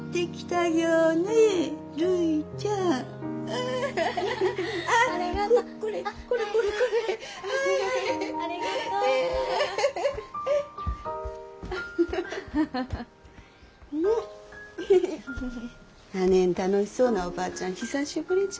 あねん楽しそうなおばあちゃん久しぶりじゃ。